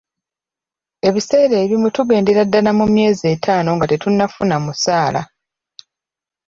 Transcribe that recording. Ebiseera ebimu tugendera ddala mu myezi etaano nga tetunnafuna musaala.